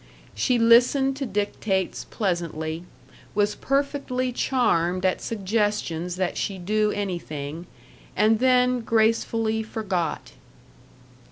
She listened to dictates pleasantly, was perfectly charmed at suggestions that she do anything, and then gracefully forgot.